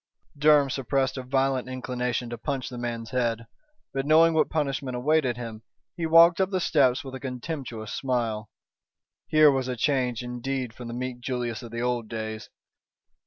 Durham suppressed a violent inclination to punch the man's head, but, knowing what punishment awaited him, he walked up the steps with a contemptuous smile. Here was a change indeed from the meek Julius of the old days.